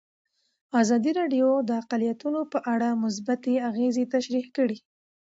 ازادي راډیو د اقلیتونه په اړه مثبت اغېزې تشریح کړي.